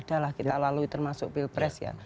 tidak ada lah kita lalui termasuk pilpres ya